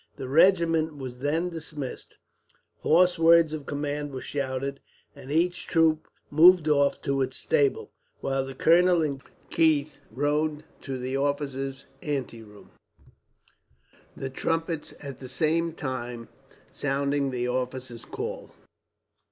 The regiment was then dismissed, hoarse words of command were shouted, and each troop moved off to its stable; while the colonel and Keith rode to the officers' anteroom, the trumpets at the same time sounding the officers' call.